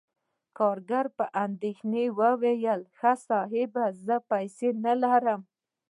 کارګر په اندیښنې وویل: "ښه، صاحب، زه پیسې نلرم..."